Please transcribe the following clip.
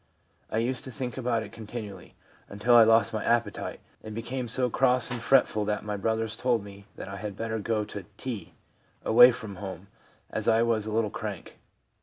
I used to think about it continually, until I lost my appetite, and became so cross and fretful that my brothers told me that I had better go to T , away from home, as I was a little crank.